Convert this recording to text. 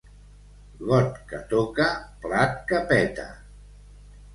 Got que toca, plat que peta.